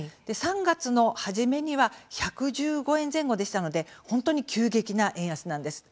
３月の初めには１１５円前後でしたので本当に急激な円安なんです。